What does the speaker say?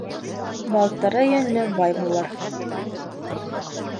Балтыры йөнлө бай булыр.